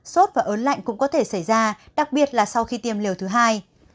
sốt và ớn lạnh cũng có thể xảy ra đặc biệt là sau khi tiêm liều thứ hai